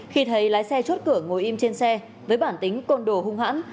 khi thấy lái xe chốt cửa ngồi im trên xe với bản tính côn đồ hung hãn